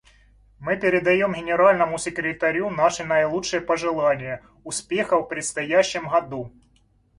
Мы передаем Генеральному секретарю наши наилучшие пожелания успехов в предстоящем году.